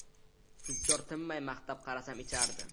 Tujjor tinmay maqtab, qasam ichardi.